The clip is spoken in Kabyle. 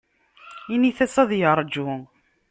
Int-as ad yerju